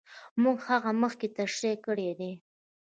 موږ هغه مخکې تشرېح کړې دي.